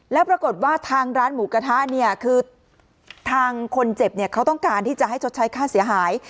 แล้วปรากฏว่าทางร้านหมูกระทะเนี่ยคือทางคนเจ็บเนี่ยเขาต้องการที่จะให้ชดใช้ค่าเสียหาย